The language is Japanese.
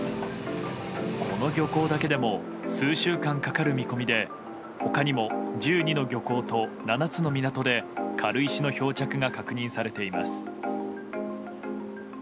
この漁港だけでも数週間かかる見込みで他にも１２の漁港と７つの港で軽石の漂着が確認されています。